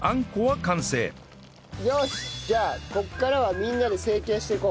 じゃあここからはみんなで成形していこう。